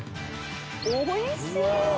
おいしい！